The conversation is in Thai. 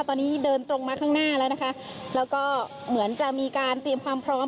ตอนนี้เดินตรงมาข้างหน้าแล้วนะคะแล้วก็เหมือนจะมีการเตรียมความพร้อม